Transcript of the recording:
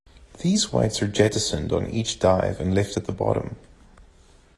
These weights are jettisoned on each dive and left at the bottom.